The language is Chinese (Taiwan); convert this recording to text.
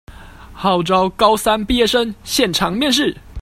號召高三畢業生現場面試